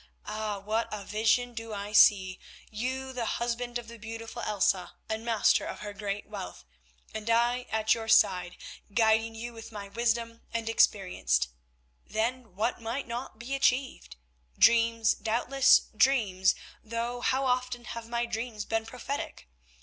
Ah! what a vision do I see. You, the husband of the beautiful Elsa and master of her great wealth, and I at your side guiding you with my wisdom and experience—then what might not be achieved? Dreams, doubtless dreams, though how often have my dreams been prophetic!